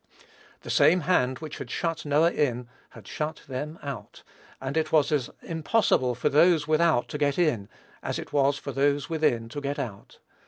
The same hand which had shut Noah in, had shut them out; and it was as impossible for those without to get in as it was for those within to get out.